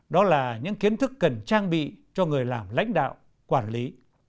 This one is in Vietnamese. đó là những kiến thức cần trang bị cho người làm lãnh đạo quản lý